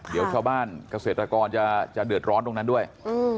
เดี๋ยวชาวบ้านเกษตรกรจะจะเดือดร้อนตรงนั้นด้วยอืม